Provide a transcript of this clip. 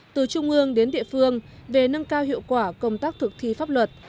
từ trung ương đến địa phương về nâng cao hiệu quả công tác thực thi pháp luật